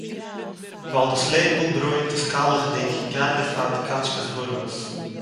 ווײַל דאָס לעבל ברויט איז קײַלעכדיק, גייען דערפֿאַר די קאַטשקעס באָרוועס.